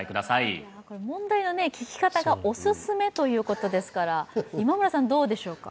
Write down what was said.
問題の聞き方がオススメということですから今村さん、どうでしょうか？